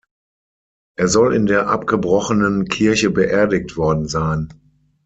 Er soll in der abgebrochenen Kirche beerdigt worden sein.